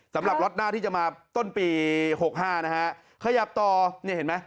สำหรับล็อตหน้าที่จะมาต้นปีหกห้านะฮะขยับต่อเนี่ยเห็นไหม